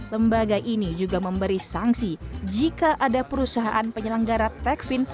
lembaga ini juga memberi sanksi jika ada perusahaan penyelenggara techfin